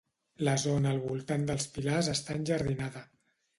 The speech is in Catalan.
La zona al voltant dels pilars està enjardinada.